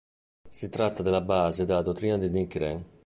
Si tratta della base della dottrina di Nichiren.